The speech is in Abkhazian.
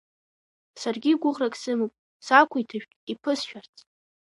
Саргьы гәыӷрак сымоуп, сақәиҭышәтә, иԥысшәарц!